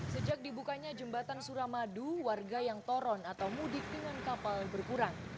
sejak dibukanya jembatan suramadu warga yang toron atau mudik dengan kapal berkurang